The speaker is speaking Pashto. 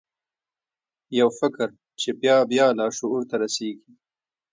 یو فکر چې بیا بیا لاشعور ته رسیږي